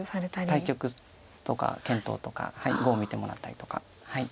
対局とか検討とか碁を見てもらったりとか。